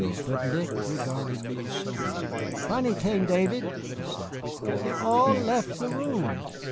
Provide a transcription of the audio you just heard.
But Nick regarded me soberly. "Funny thing, Davy," he said, "they all left the room."